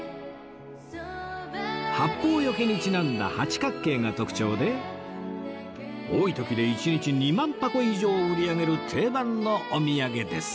八方除にちなんだ八角形が特徴で多い時で１日２万箱以上売り上げる定番のお土産です